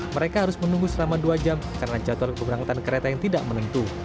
mereka harus menunggu selama dua jam karena jadwal keberangkatan kereta yang tidak menentu